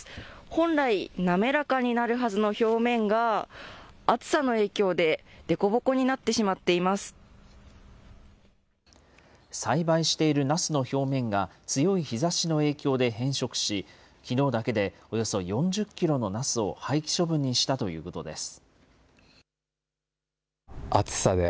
本来、滑らかになるはずの表面が、暑さの影響ででこぼこになってし栽培しているナスの表面が、強い日ざしの影響で変色し、きのうだけでおよそ４０キロのナスを廃棄処分にしたということです。